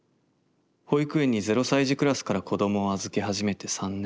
保育園にゼロ歳児クラスから子どもを預け始めて三年。